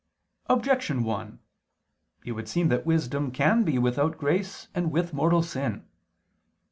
Objection 1: It would seem that wisdom can be without grace and with mortal sin.